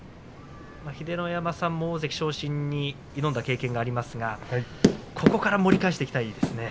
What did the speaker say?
秀ノ山さんも大関昇進に挑んだ経験がありますがここから盛り返していきたいですね。